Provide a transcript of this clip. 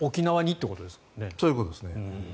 そういうことですね。